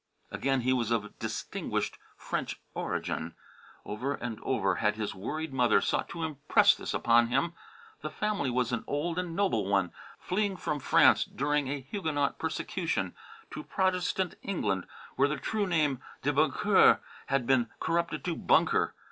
Again, he was of distinguished French origin. Over and over had his worried mother sought to impress this upon him. The family was an old and noble one, fleeing from France, during a Huguenot persecution, to Protestant England where the true name "de Boncoeur" had been corrupted to "Bunker."